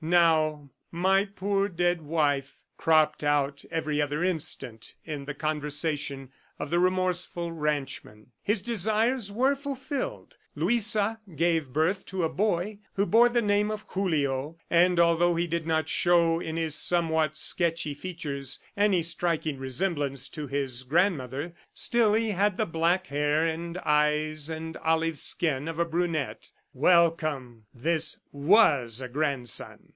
Now "my poor dead wife" cropped out every other instant in the conversation of the remorseful ranchman. His desires were fulfilled. Luisa gave birth to a boy who bore the name of Julio, and although he did not show in his somewhat sketchy features any striking resemblance to his grandmother, still he had the black hair and eyes and olive skin of a brunette. Welcome! ... This WAS a grandson!